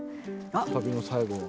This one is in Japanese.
旅の最後は。